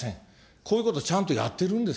こういうことちゃんとやってるんです。